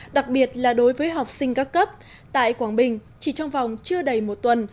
đặc biệt là đối với học sinh các cấp tại quảng bình chỉ trong vòng chưa đầy một tuần